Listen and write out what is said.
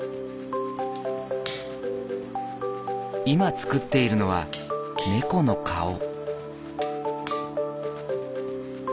今作っているのは猫の顔。